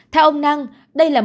theo ông đăng đây là